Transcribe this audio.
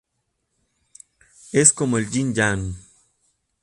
Es como el Ying-Yang.